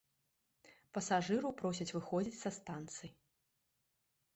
Пасажыраў просяць выходзіць са станцый.